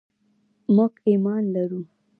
موږ ایمان لرو.